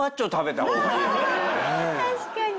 確かに。